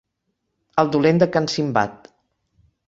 El dolent de can Simbad.